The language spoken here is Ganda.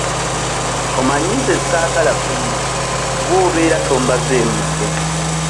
Omanyi nze saagala kunnimba kuba obeera tombazeemu magezi.